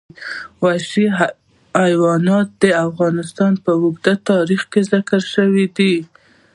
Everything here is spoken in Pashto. وحشي حیوانات د افغانستان په اوږده تاریخ کې ذکر شوی دی.